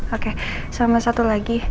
oke sama satu lagi